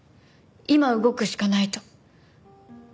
今動くしかないと。